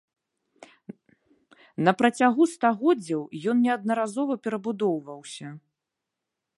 На працягу стагоддзяў ён неаднаразова перабудоўваўся.